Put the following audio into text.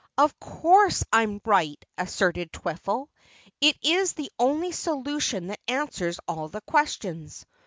"Of course, I am right," asserted Twiffle. "It is the only solution that answers all the questions.